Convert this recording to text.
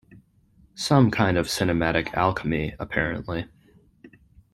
Some kind of cinematic alchemy, apparently.